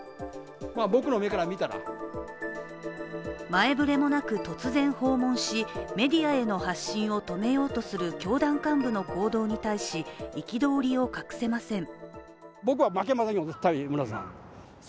前触れもなく突然訪問し、メディアへの発信を止めようとする教団幹部の行動に対し憤りを隠せません。